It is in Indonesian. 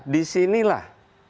di sini lah